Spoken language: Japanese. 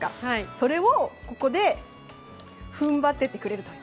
それをここで踏ん張っていてくれる。